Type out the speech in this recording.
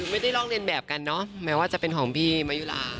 ไม่ได้ลอกเรียนแบบกันเนอะแม้ว่าจะเป็นของพี่มายุลา